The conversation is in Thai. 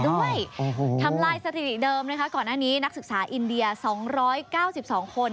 ทำลายสถิติเดิมนะคะก่อนหน้านี้นักศึกษาอินเดีย๒๙๒คน